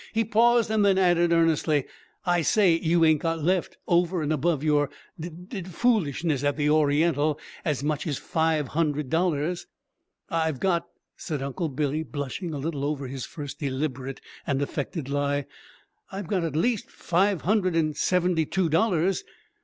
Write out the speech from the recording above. He paused, and then added earnestly, "I say! You ain't got left, over and above your d d foolishness at the Oriental, as much as five hundred dollars?" "I've got," said Uncle Billy, blushing a little over his first deliberate and affected lie, "I've got at least five hundred and seventy two dollars.